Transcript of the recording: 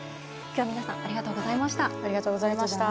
今日は皆さんありがとうございました。